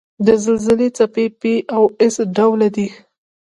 د زلزلې څپې P او S ډوله دي.